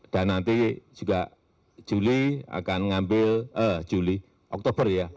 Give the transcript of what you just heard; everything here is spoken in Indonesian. dan nanti juga juli akan mengambil eh juli oktober